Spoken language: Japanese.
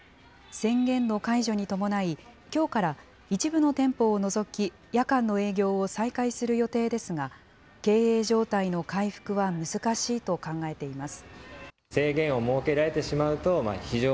宣言の解除に伴い、きょうから、一部の店舗を除き、夜間の営業を再開する予定ですが、経営状態の回復は難しいと考えています。